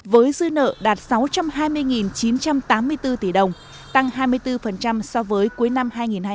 với dư nợ đạt sáu trăm hai mươi chín trăm tám mươi bốn tỷ đồng tăng hai mươi bốn so với cuối năm hai nghìn hai mươi hai